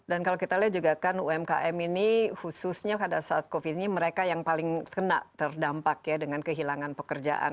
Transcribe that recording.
dan kalau kita lihat juga kan umkm ini khususnya pada saat covid ini mereka yang paling kena terdampak ya dengan kehilangan pekerjaan